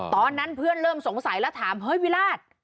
ตอนนั้นเพื่อนเริ่มสงสัยแล้วถามเฮ้ยวิราช